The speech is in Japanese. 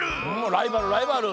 ライバルライバル。